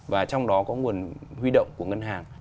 và trong đó có nguồn huy động của ngân hàng